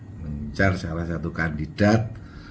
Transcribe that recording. mengejar salah satu kandidat